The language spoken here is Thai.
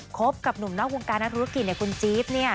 กับหนุ่มนอกวงการนักธุรกิจคุณจี๊บเนี่ย